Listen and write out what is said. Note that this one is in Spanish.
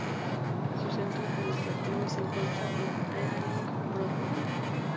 Su centro administrativo se encuentra en Ealing Broadway.